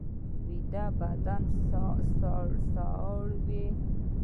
ویده بدن ساړه وي